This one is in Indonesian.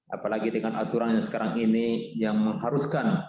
apalagi dengan aturan yang sekarang ini yang mengharuskan